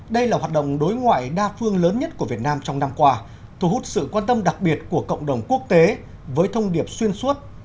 đây là hoạt động đối ngoại đa phương lớn nhất của việt nam trong năm qua thu hút sự quan tâm đặc biệt của cộng đồng quốc tế với thông điệp xuyên suốt